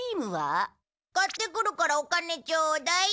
買ってくるからお金ちょうだい。